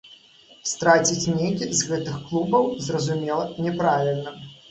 Страціць нейкі з гэтых клубаў, зразумела, няправільна.